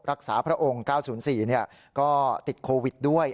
รักษาพระองค์๙๐๔เนี่ยก็ติดโควิดด้วย